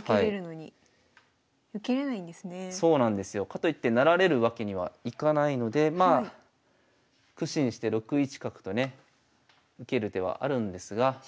かといって成られるわけにはいかないので苦心して６一角とね受ける手はあるんですが。